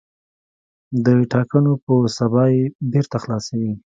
د ټاکنو په سبا یې بېرته خلاصوي.